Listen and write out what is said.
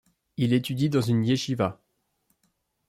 Il étudie dans une Yechiva.